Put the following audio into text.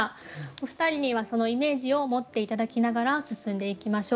お二人にはそのイメージを持って頂きながら進んでいきましょう。